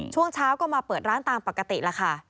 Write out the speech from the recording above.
ช่วงเช้าก็มาเปิดร้านตามปกติแล้วค่ะ